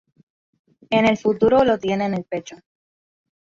En el futuro lo tiene en el pecho.